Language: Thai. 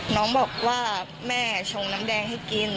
น้องบอกว่าแม่ชงน้ำแดงให้กิน